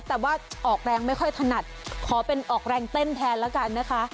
แต่ว่าออกแรงไม่ค่อยถนัดขอเป็นออกแรงเต้นแทนแล้วกันนะคะ